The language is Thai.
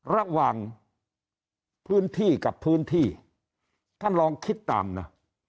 ระหว่างพื้นที่กับพื้นที่ท่านลองคิดตามนะ